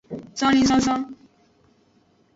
Zonlinzonzon.